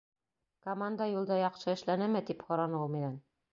Команда юлда яҡшы эшләнеме, тип һораны ул минән.